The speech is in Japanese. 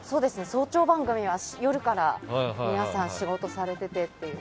早朝番組は夜から皆さん仕事されててっていう。